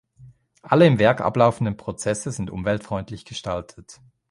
Alle im Werk ablaufenden Prozesse sind umweltfreundlich gestaltet.